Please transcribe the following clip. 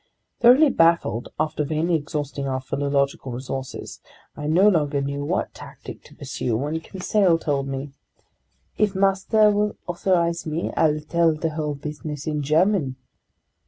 Thoroughly baffled after vainly exhausting our philological resources, I no longer knew what tactic to pursue, when Conseil told me: "If master will authorize me, I'll tell the whole business in German."